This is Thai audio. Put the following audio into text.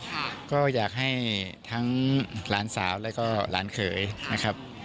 ค่ะก็อยากให้ทั้งหลานสาวแล้วก็หลานเขยนะครับ